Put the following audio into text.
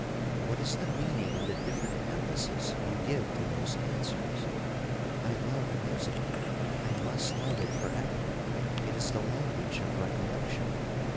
'—'What is the meaning of the different emphasis you give to those answers?'—'I love music—I must love it for ever—it is the language of recollection.